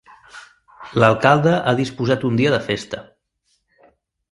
L'alcalde ha disposat un dia de festa.